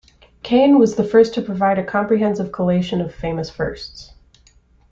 Kane was the first to provide a comprehensive collation of famous firsts.